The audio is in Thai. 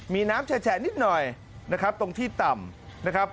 มีน้ำแฉะนิดหน่อยนะครับตรงที่ต่ำนะครับ